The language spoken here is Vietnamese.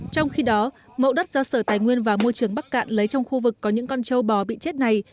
trong khi đó mẫu đất do sở tài nguyên và môi trường bắc cạn lấy trong khu vực có những con trâu bò bị chết này